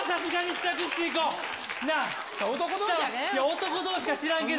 男どうしか知らんけど。